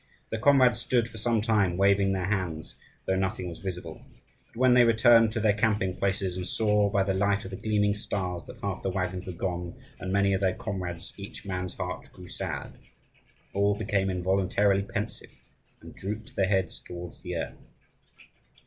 Their comrades stood for some time waving their hands, though nothing was visible. But when they returned to their camping places and saw by the light of the gleaming stars that half the waggons were gone, and many of their comrades, each man's heart grew sad; all became involuntarily pensive, and drooped their heads towards the earth.